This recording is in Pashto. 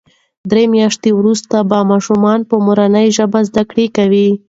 درې میاشتې وروسته به ماشومان په مورنۍ ژبه زده کړه کوي.